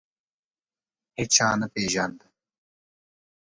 هیچا نه پېژاند.